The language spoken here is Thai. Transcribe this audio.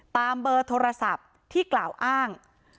เบอร์โทรศัพท์ที่กล่าวอ้าง